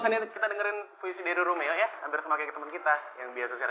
saya kita dengerin puisi di rumah ya ambil semakin teman kita yang biasa